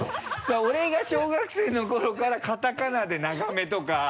俺が小学生の頃からカタカナで長めとか。